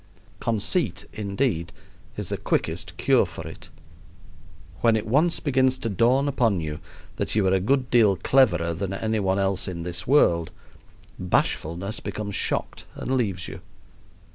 Conceit, indeed, is the quickest cure for it. When it once begins to dawn upon you that you are a good deal cleverer than any one else in this world, bashfulness becomes shocked and leaves you.